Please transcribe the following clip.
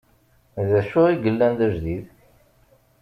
Dacu i yellan d ajdid?